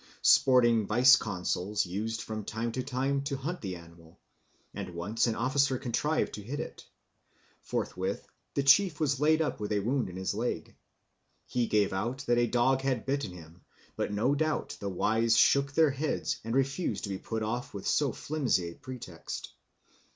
Sporting vice consuls used from time to time to hunt the animal, and once an officer contrived to hit it. Forthwith the chief was laid up with a wound in his leg. He gave out that a dog had bitten him, but no doubt the wise shook their heads and refused to be put off with so flimsy a pretext.